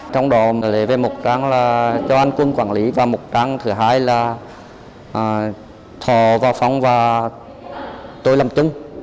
trong đó lấy về một trang là cho anh quân quản lý và một trang thứ hai là thò vào phòng và tôi làm chung